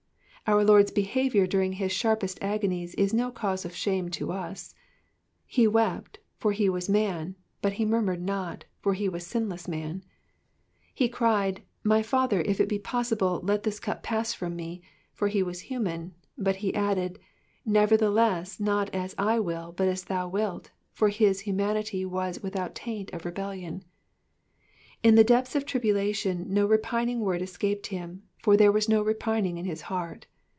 Our Lord^s behaviour during his sharpest agonies is no cause of shame to us ; he wept, for he was man, but he murmured not, for he was sinless man ; he cried, *' My Father, if it be possible, let this cup pass from me ;" for he was human, but he added, Nevertheless, not as I will, but as thou wilt," for his humanity was without taint of rebellion. In the depths of tribulation no repining word escaped him. for there was no repining in his heart.